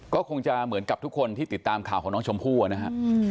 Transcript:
ก็คงจะเหมือนกับทุกคนที่ติดตามข่าวของน้องชมพู่นะฮะ